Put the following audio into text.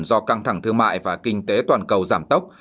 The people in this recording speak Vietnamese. do căng thẳng thương mại và kinh tế toàn cầu giảm tốc